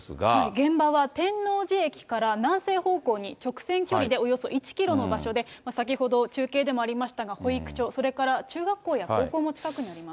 現場は天王寺駅から南西方向に直線距離でおよそ１キロの場所で、先ほど、中継でもありましたが、保育所、それから中学校や高校も近くにあります。